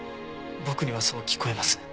僕にはそう聞こえます。